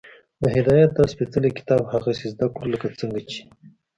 د هدایت دا سپېڅلی کتاب هغسې زده کړو، لکه څنګه چې